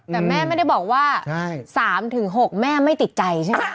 แต่แม่ไม่ได้บอกว่า๓๖แม่ไม่ติดใจใช่ไหม